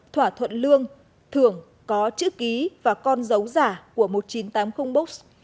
thỏa thuận lương thưởng có chữ ký và con dấu giả của một nghìn chín trăm tám mươi books